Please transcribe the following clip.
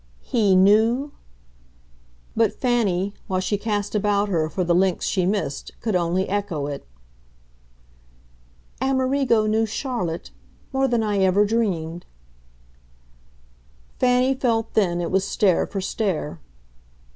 "'He' knew ?" But Fanny, while she cast about her for the links she missed, could only echo it. "Amerigo knew Charlotte more than I ever dreamed." Fanny felt then it was stare for stare.